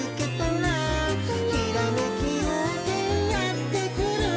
「ひらめきようせいやってくる」